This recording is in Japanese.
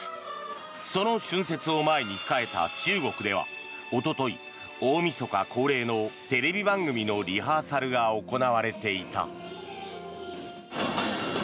その春節を前に控えた中国ではおととい、大みそか恒例のテレビ番組のリハーサルが行われていた。